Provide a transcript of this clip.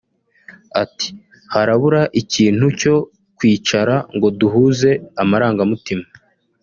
ati “Harabura ikintu cyo kwicara ngo duhuze amarangamutima